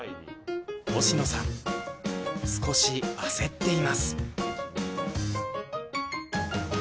星野さん少し焦っています。